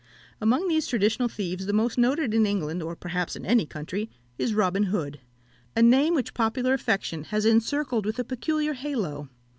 Among these traditional thieves the most noted in England, or perhaps in any country, is Robin Hood, a name which popular affection has encircled with a peculiar halo.